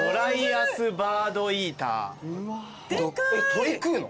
鳥食うの？